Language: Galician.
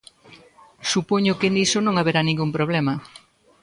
Supoño que niso non haberá ningún problema.